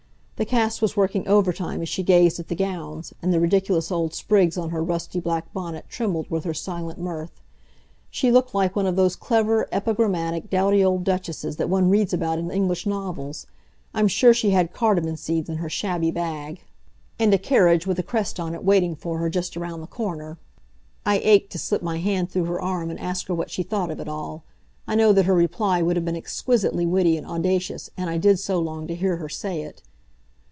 The cast was working overtime as she gazed at the gowns, and the ridiculous old sprigs on her rusty black bonnet trembled with her silent mirth. She looked like one of those clever, epigrammatic, dowdy old duchesses that one reads about in English novels. I'm sure she had cardamon seeds in her shabby bag, and a carriage with a crest on it waiting for her just around the corner. I ached to slip my hand through her arm and ask her what she thought of it all. I know that her reply would have been exquisitely witty and audacious, and I did so long to hear her say it.